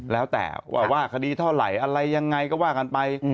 แล้วแต่ว่าว่าคดีเท่าไหร่อะไรยังไงก็ว่ากันไป